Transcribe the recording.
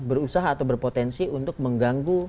berusaha atau berpotensi untuk mengganggu